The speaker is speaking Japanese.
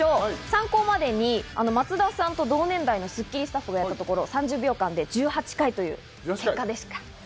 参考までに松田さんと同年代の『スッキリ』スタッフがやったところ３０秒間で１８回という結果でした。